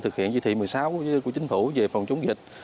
thực hiện chỉ thị một mươi sáu của chính phủ về phòng chống dịch